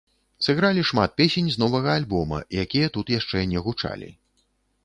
Сыгралі шмат песень з новага альбома, якія тут яшчэ не гучалі.